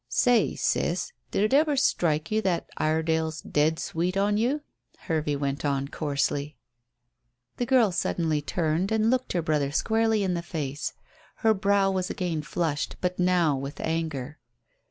"Say, sis, did it ever strike you that Iredale's dead sweet on you?" Hervey went on coarsely. The girl suddenly turned and looked her brother squarely in the face. Her brow was again flushed, but now with anger.